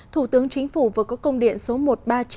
thủ tướng chính phủ vừa có công điện số một trăm ba mươi chín